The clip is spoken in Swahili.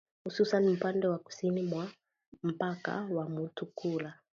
Hususan upande wa kusini mwa mpaka wa Mutukula.